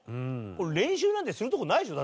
練習なんてするところないでしょ？